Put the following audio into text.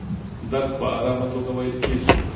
درس په ارامه توګه ویل کېږي.